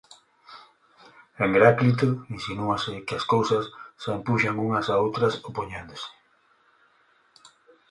En Heráclito insinúase que as cousas se empuxan unhas a outras opoñéndose.